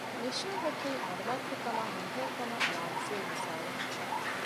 ނިޝާހް އަކީ މަޑުމައިތިރި ކަމާއި ހިތްހެޔޮކަމަށް ލާމަސީލު މިސާލެއް